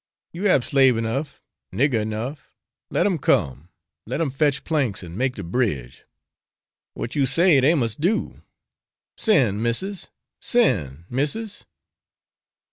you hab slave enough, nigger enough, let 'em come, let 'em fetch planks, and make de bridge; what you say dey must do, send, missis, send, missis!'